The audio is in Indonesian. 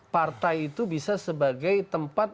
partai itu bisa sebagai tempat